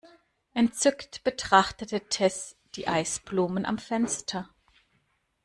Entzückt betrachtete Tess die Eisblumen am Fenster.